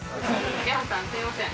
山さん、すいません。